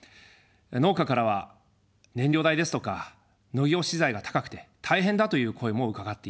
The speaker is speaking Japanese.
農家からは燃料代ですとか農業資材が高くて、大変だという声も伺っています。